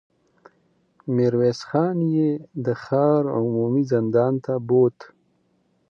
ميرويس خان يې د ښار عمومي زندان ته بوت.